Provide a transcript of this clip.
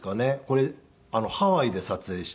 これハワイで撮影した。